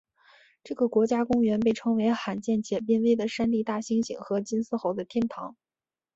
这个国家公园被称为罕见且濒危的山地大猩猩和金丝猴的天堂。